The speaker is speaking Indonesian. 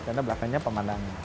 karena belakangnya pemandangan